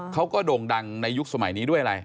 โด่งดังในยุคสมัยนี้ด้วยอะไร